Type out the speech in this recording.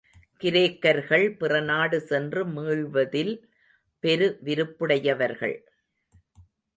கிரேக்கர்கள் பிறநாடு சென்று மீள்வதில் பெரு விருப்புடையவர்கள்.